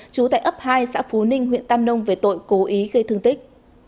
trú tại ấp hai xã phú ninh huyện tam nông về tội cố ý gây thương tích